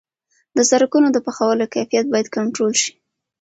د سرکونو د پخولو کیفیت باید کنټرول شي.